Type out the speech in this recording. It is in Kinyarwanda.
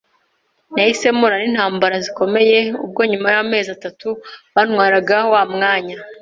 Nahise mpura n’intambara zikomeye ubwo nyuma y’amezi atatu bantwaraga wa mwanya